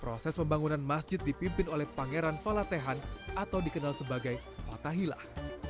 proses pembangunan masjid dipimpin oleh pangeran falatehan atau dikenal sebagai fathahilah